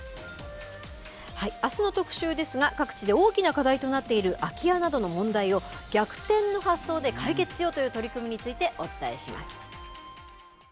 あすの特集ですが、各地で大きな課題となっている空き家などの問題を、逆転の発想で解決しようという取り組みについてお伝えしま